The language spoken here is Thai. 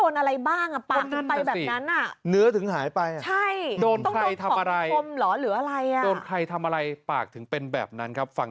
งั้นน้องต้องโดนอะไรบ้างปากถึงตายแบบนั้น